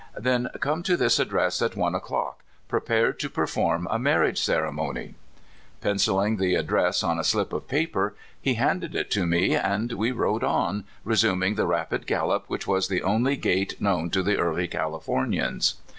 " Then come to this address at one o'clock, prepared to perform a marriage ceremon3^" Penciling the address on a slip of paper, he handed it to me, and we rode on, resuming the rapid gallop which was the only gait known to the early Californians.